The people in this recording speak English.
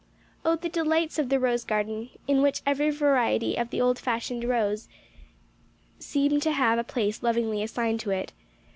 Oh, the delights of the rose garden! in which every variety of the old fashioned rose seemed to have had a place lovingly assigned to it.